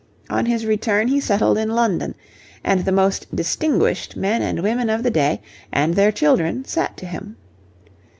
On his return he settled in London, and the most distinguished men and women of the day and their children sat to him.